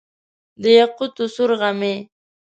د یاقوتو سور غمی،